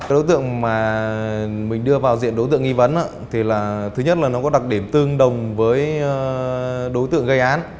đối tượng mà mình đưa vào diện đối tượng nghi vấn thì là thứ nhất là nó có đặc điểm tương đồng với đối tượng gây án